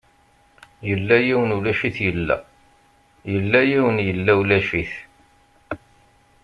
Yella yiwen ulac-it yella, yella yiwen yella ulac-it.